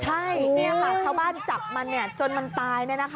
ใช่ชาวบ้านจับมันจนมันตาย